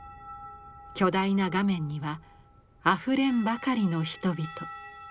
巨大な画面にはあふれんばかりの人々。